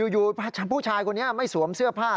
อยู่ผู้ชายคนนี้ไม่สวมเสื้อผ้า